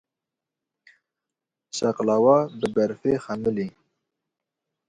Şeqlawa bi berfê xemilî.